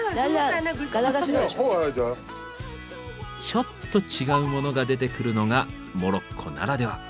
ちょっと違うモノが出てくるのがモロッコならでは。